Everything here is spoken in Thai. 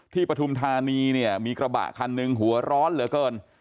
ปฐุมธานีเนี่ยมีกระบะคันหนึ่งหัวร้อนเหลือเกิน